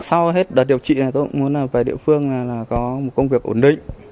sau hết đợt điều trị là tôi cũng muốn về địa phương là có một công việc ổn định